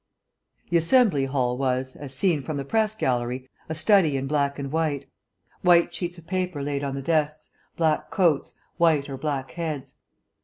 4 The Assembly Hall was, as seen from the Press Gallery, a study in black and white. White sheets of paper laid on the desks, black coats, white or black heads.